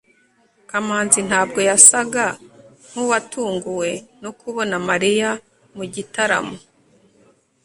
kamanzi ntabwo yasaga nkuwatunguwe no kubona mariya mugitaramo